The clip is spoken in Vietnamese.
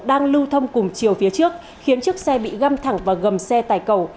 đang lưu thông cùng chiều phía trước khiến chiếc xe bị găm thẳng vào gầm xe tải cầu